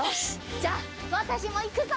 じゃあわたしもいくぞ！